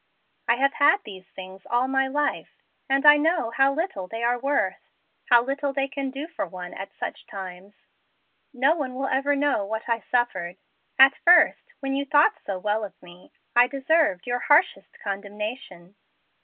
I have had these things all my life, and know how little they are worth how little they can do for one at such times. No one will ever know what I suffered. At first, when you thought so well of me, I deserved your harshest condemnation.